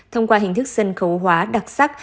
thông qua hình thức sân khấu hóa đặc sắc